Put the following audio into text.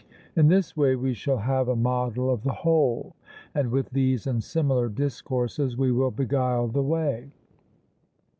In this way we shall have a model of the whole; and with these and similar discourses we will beguile the way.